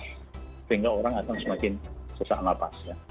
sehingga orang akan semakin susah nafas ya